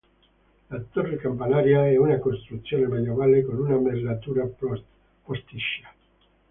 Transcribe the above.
La torre campanaria è una costruzione medievale con una merlatura posticcia.